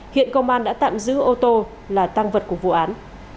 hiện công an đã tạm giữ ô tô là tăng vật của vụ án